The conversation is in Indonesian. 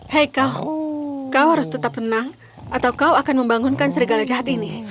hei kau kau harus tetap tenang atau kau akan membangunkan serigala jahat ini